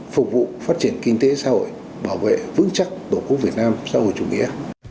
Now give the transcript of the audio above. phục vụ phát triển kinh tế xã hội bảo vệ vững chắc tổ quốc việt nam xã hội chủ nghĩa